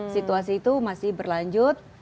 situasi itu masih berlanjut